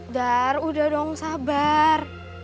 dar udah dong sabar